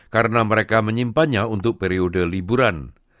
karena mereka menyimpannya untuk periode liburan